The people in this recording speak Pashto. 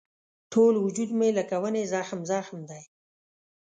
ټول وجود مې لکه ونې زخم زخم دی.